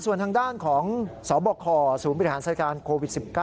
ส่วนทางด้านของสบคศูนย์บริหารสถานการณ์โควิด๑๙